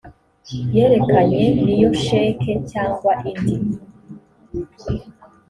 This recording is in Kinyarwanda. yerekeranye n iyo sheki cyangwa indi